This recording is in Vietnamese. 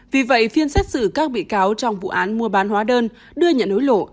vì vậy phiên xét xử các bị cáo trong vụ án mua bán hóa đơn đưa nhận hối lộ